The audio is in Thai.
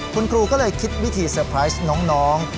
คุณครูก็เลยคิดวิธีเซอร์ไพรส์น้อง